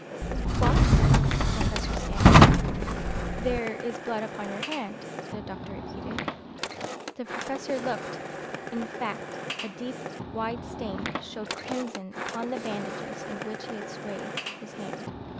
"What?" the Professor stammered. "There is blood upon your hand," the doctor repeated. The Professor looked. In fact, a deep, wide stain showed crimson upon the bandages in which he had swathed his hand.